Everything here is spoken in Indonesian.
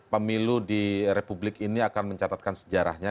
pemilu di republik ini akan mencatatkan sejarahnya